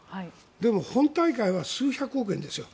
でも、本大会は数百億円ですよ。